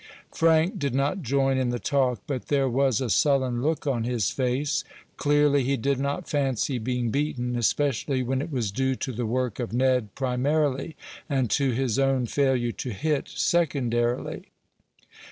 Frank did not join in the talk, but there was a sullen look on his face. Clearly he did not fancy being beaten, especially when it was due to the work of Ned primarily, and to his own failure to hit, secondarily.